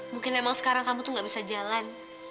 mungkin emang sekarang kamu tuh gak bisa jalan